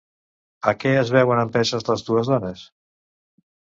A què es veuen empeses les dues dones?